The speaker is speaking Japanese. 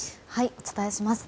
お伝えします。